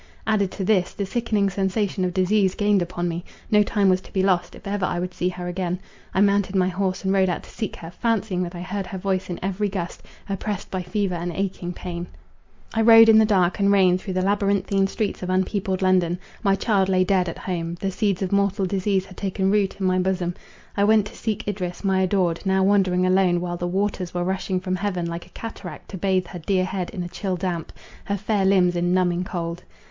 Added to this, the sickening sensation of disease gained upon me; no time was to be lost, if ever I would see her again. I mounted my horse and rode out to seek her, fancying that I heard her voice in every gust, oppressed by fever and aching pain. I rode in the dark and rain through the labyrinthine streets of unpeopled London. My child lay dead at home; the seeds of mortal disease had taken root in my bosom; I went to seek Idris, my adored, now wandering alone, while the waters were rushing from heaven like a cataract to bathe her dear head in chill damp, her fair limbs in numbing cold.